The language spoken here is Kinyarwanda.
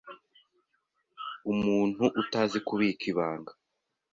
umuntu utazi kubika ibanga